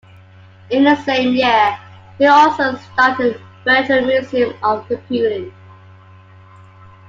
In the same year he also started the Virtual Museum of Computing.